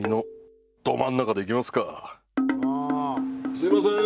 すみません！